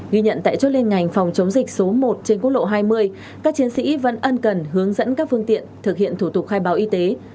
ghi nhận tại chốt liên ngành phòng chống dịch số một trên quốc lộ hai mươi các chiến sĩ vẫn ân cần hướng dẫn các phương tiện thực hiện thủ tục khai báo y tế